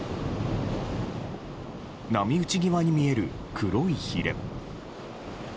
波打ち際に見える黒いひれ。